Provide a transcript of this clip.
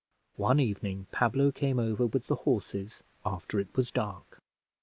One evening Pablo came over with the horses after it was dark.